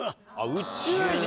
宇宙人。